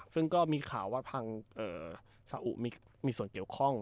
ซึ่งก็มีข่าวว่าทางสาอุมีส่วนเกี่ยวข้อง